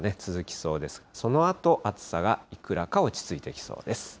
そのあと、暑さがいくらか落ち着いてきそうです。